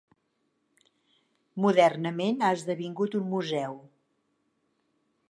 Modernament ha esdevingut un museu.